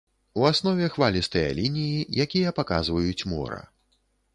У аснове хвалістыя лініі, якія паказваюць мора.